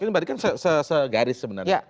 ini tadi kan segaris sebenarnya